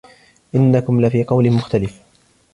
إنكم لفي قول مختلف